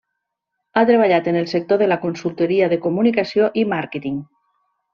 Ha treballat en el sector de la consultoria de comunicació i màrqueting.